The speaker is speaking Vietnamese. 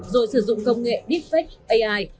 rồi sử dụng công nghệ deepfake ai